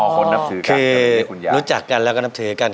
อ๋อคนนับถือกันคือคุณยายคือรู้จักกันแล้วก็นับถือกัน